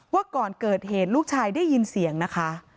ก่อนเกิดเหตุลูกชายได้ยินเสียงนะคะ